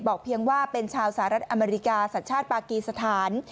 เพียงว่าเป็นชาวสหรัฐอเมริกาสัญชาติปากีสถาน